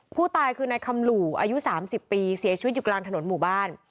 ผู้ตายคือนายคำหลู่อายุ๓๐ปีเสียชีวิตอยู่กลางถนนหมู่บ้าน